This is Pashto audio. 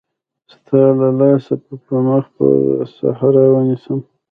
ستا له لاسه به مخ پر صحرا ونيسم.